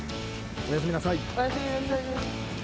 おやすみなさい。